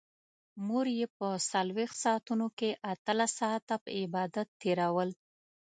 مور يې په څلرويشت ساعتونو کې اتلس ساعته په عبادت تېرول.